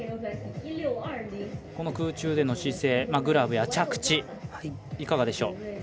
空中での姿勢、グラブや着地いかがでしょう？